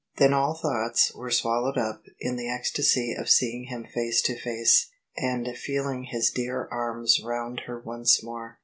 Then all thoughts were swallowed up in the ecstasy of seeing him face to face, and feeling his dear arms round her once more.